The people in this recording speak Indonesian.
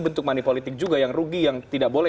bentuk manipolitik juga yang rugi yang tidak boleh